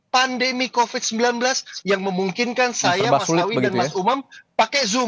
pandemi covid sembilan belas yang memungkinkan saya mas awi dan mas umam pakai zoom